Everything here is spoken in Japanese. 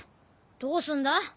どうすんだ？